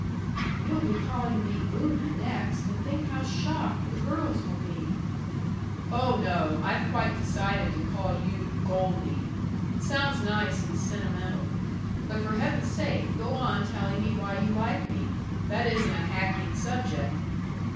"You'll be calling me 'Una' next, and think how shocked the girls will be." "Oh no. I've quite decided to call you 'Goldie.' Sounds nice and sentimental. But for heaven's sake go on telling me why you like me. That isn't a hackneyed subject."